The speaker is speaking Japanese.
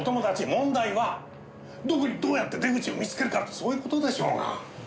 問題はどこにどうやって出口を見つけるかってそういう事でしょうが。